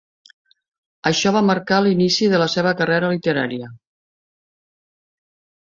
Això va marcar l'inici de la seva carrera literària.